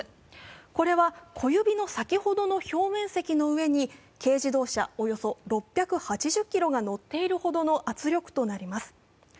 これは小指の先ほどの表面積の上に軽乗用車およそ６８０ｋｇが乗っているほどの圧力となります。